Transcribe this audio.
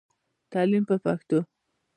تعليم په پښتو.